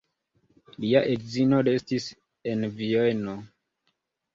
Lia edzino restis en Vieno.